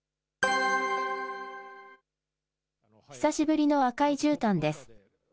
久しぶりの赤いじゅうたんです。